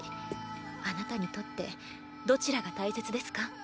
あなたにとってどちらが大切ですか？